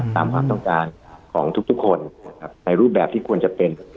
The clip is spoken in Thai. ตามความต้องการของทุกคนนะครับในรูปแบบที่ควรจะเป็น